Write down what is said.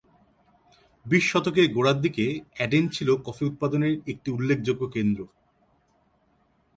বিশ শতকের গোড়ার দিকে অ্যাডেন ছিল কফি উৎপাদনের একটি উল্লেখযোগ্য কেন্দ্র।